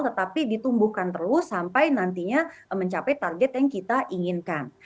tetapi ditumbuhkan terus sampai nantinya mencapai target yang kita inginkan